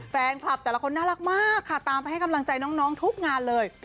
แฟนคลับแต่ละคนน่ารักมากค่ะตามไปให้กำลังใจน้องทุกงานเลย